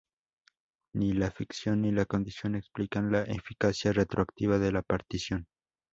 Ni la ficción ni la condición explican la eficacia retroactiva de la partición.